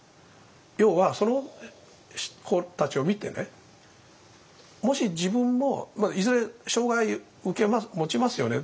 要はその子たちを見てもし自分もいずれ障害をもちますよね。